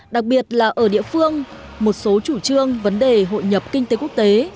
đặc biệt là ở địa phương một số chủ trương vấn đề hội nhập kinh tế quốc tế